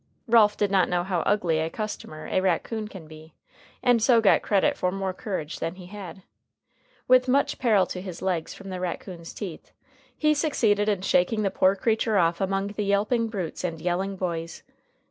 Ralph did not know how ugly a customer a raccoon can be, and so got credit for more courage than he had. With much peril to his legs from the raccoon's teeth, he succeeded in shaking the poor creature off among the yelping brutes and yelling boys.